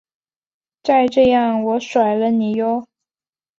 再这样我就甩了你唷！